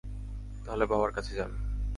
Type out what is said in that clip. তাহলে বাবার কাছে যান।